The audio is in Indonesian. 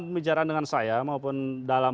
pembicaraan dengan saya maupun dalam